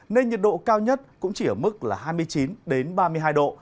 nên nhiệt độ cao nhất cũng chỉ ở mức là hai mươi chín ba mươi hai độ